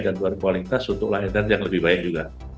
dan berkualitas untuk lahirkan yang lebih baik juga